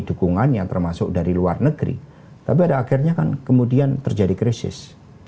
dukungannya termasuk dari luar negeri tapi pada akhirnya kan kemudian terjadi krisis